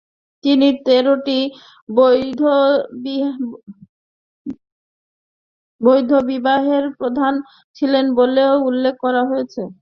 তিনি তেরোটি বৌদ্ধবিহারের প্রধান ছিলেন বলেও উল্লেখ করা হয়েছে।